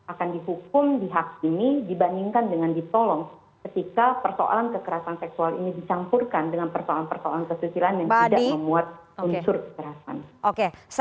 akan dihukum dihakimi dibandingkan dengan ditolong ketika persoalan kekerasan seksual ini dicampurkan dengan persoalan persoalan kesusilaan yang tidak memuat unsur kekerasan